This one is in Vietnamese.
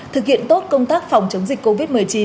thực hiện tốt công tác phòng chống dịch covid một mươi chín